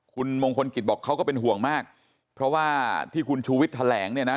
คุณมงคลกิจบอกเขาก็เป็นห่วงมากเพราะว่าที่คุณชูวิทย์แถลงเนี่ยนะ